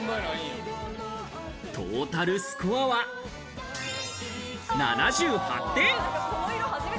トータルスコアは７８点。